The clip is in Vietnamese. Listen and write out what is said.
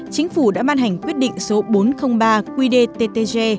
chính phủ đã ban hành quyết định số bốn trăm linh ba qdttg